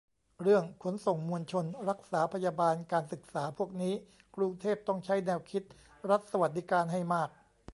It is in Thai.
เรื่อง ขนส่งมวลชน รักษาพยาบาล การศึกษา พวกนี้ กรุงเทพต้องใช้แนวคิด รัฐสวัสดิการ ให้มาก